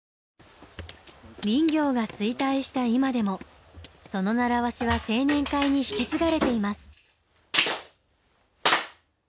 林業が衰退した今でもその習わしは青年会に引き継がれています。